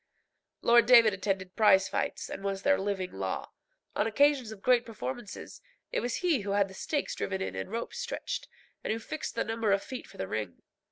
Lord David attended prize fights, and was their living law. On occasions of great performances it was he who had the stakes driven in and ropes stretched, and who fixed the number of feet for the ring.